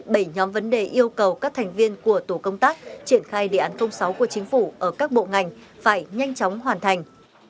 bộ trưởng tô lâm đã yêu cầu các thành viên của tổ công tác triển khai đề án sáu của chính phủ ở các bộ ngành phải nhanh chóng hoàn thành